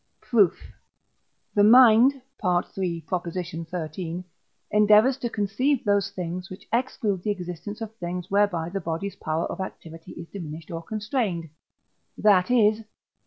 Proof. The mind (III. xiii.) endeavours to conceive those things, which exclude the existence of things whereby the body's power of activity is diminished or constrained; that is (III.